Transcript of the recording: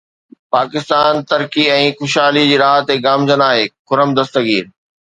پاڪستان ترقي ۽ خوشحالي جي راهه تي گامزن آهي: خرم دستگير